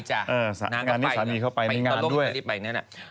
สามีเข้าไปมีงานด้วย